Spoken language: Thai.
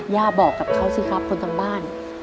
บอกกับเขาสิครับคนทางบ้าน